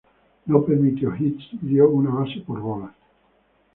No permitió hits y dio una base por bolas.